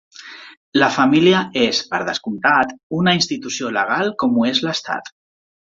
La família és, per descomptat, una institució legal com ho és l'Estat.